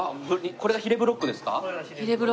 これがヒレブロックです。